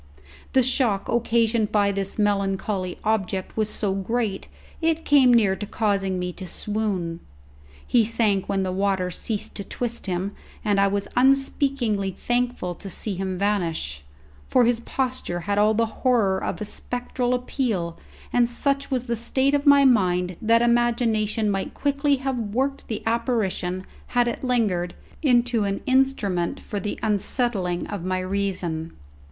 The shock occasioned by this melancholy object was so great, it came near to causing me to swoon. He sank when the water ceased to twist him, and I was unspeakingly thankful to see him vanish, for his posture had all the horror of a spectral appeal, and such was the state of my mind that imagination might quickly have worked the apparition, had it lingered, into an instrument for the unsettling of my reason.